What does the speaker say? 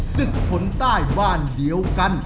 ศึกคนใต้บ้านเดียวกัน